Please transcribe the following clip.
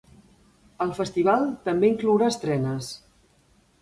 El festival també inclourà estrenes.